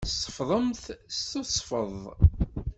Tsefḍemt s tesfeḍt.